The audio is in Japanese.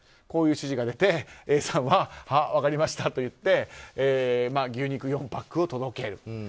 こういう指示が出てＡさんは分かりましたと言って牛肉４パックを届ける。